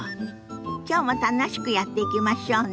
きょうも楽しくやっていきましょうね。